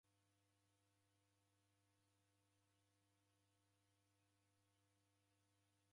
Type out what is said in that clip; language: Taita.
Naichi viteto vidadu: Kidaw'ida, Kiswahili na Kingereza.